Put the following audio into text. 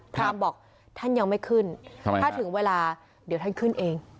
รามบอกท่านยังไม่ขึ้นถ้าถึงเวลาเดี๋ยวท่านขึ้นเอง